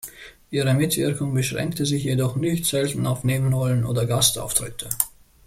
Ihre Mitwirkung beschränkte sich jedoch nicht selten auf Nebenrollen oder Gastauftritte.